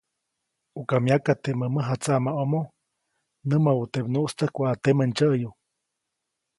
ʼUka myaka teʼmä mäjatsaʼmomo, nämawä teʼ nyuʼstäjk waʼa temä ndsyäʼyu.